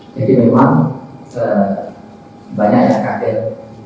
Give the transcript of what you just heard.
jadi memang banyak yang kaget